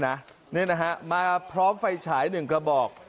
นี่นะค่ะมาพร้อมใฝ่ฉายหนึ่งกระบอก